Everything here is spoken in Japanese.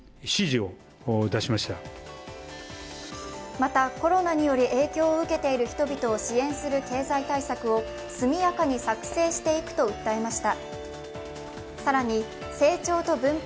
また、コロナにより影響を受けている人々を支援する経済対策を速やかに作成していくと訴えました。